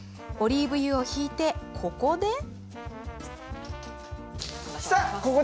オリーブ油をひいて、ここで。